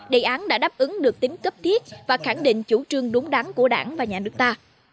đề án đã đáp ứng được tính cấp thiết và khẳng định chủ trương đúng đắn của đảng và nhà nước ta